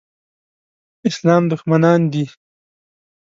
اسلام دښمنان دي.